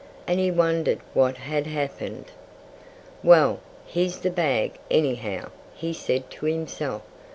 And he wondered what had happened. "Well, here's the bag, anyhow," he said to himself.